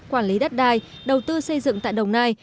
quản lý đất đai đầu tư xây dựng tại đồng nai